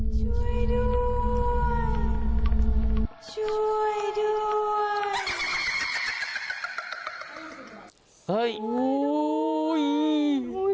ช่วยด้วยช่วยด้วย